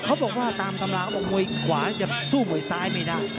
เขาบอกว่าตามตำราเขาบอกมวยขวาจะสู้มวยซ้ายไม่ได้